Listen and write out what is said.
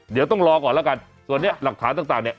เดี๋ยวต้องรอก่อนแล้วกันส่วนนี้หลักฐานต่างเนี่ย